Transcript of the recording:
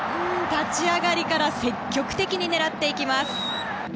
立ち上がりから積極的に狙っていきます。